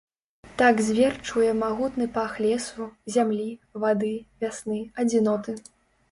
Так звер чуе магутны пах лесу, зямлі, вады, вясны, адзіноты.